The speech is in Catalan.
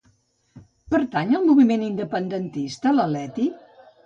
Pertany al moviment independentista la Leti?